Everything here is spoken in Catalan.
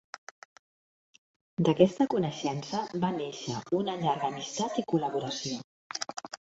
D'aquesta coneixença va nàixer una llarga amistat i col·laboració.